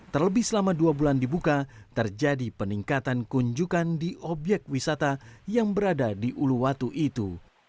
terlebih selama dua bulan dibuka terjadi peningkatan kunjukan di obyek wisata yang berada di uluwatu itu